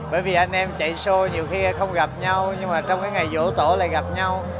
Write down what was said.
bởi vì anh em chạy xô nhiều kia không gặp nhau nhưng mà trong cái ngày vỗ tổ lại gặp nhau